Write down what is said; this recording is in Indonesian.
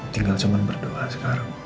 tinggal cuma berdoa sekarang